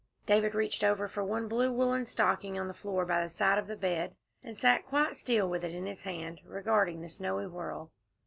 David reached over for one blue woollen stocking on the floor by the side of the bed, and sat quite still with it in his hand, regarding the snowy whirl.